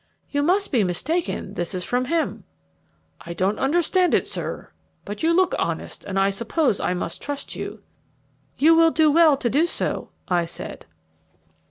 "You must be mistaken, this is from him." "I don't understand it, sir, but you look honest, and I suppose I must trust you." "You will do well to do so," I said.